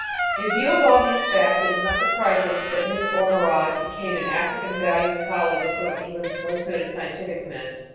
In view of all these facts it is not surprising that Miss Ormerod became an active and valued colleague of some of England's most noted scientific men.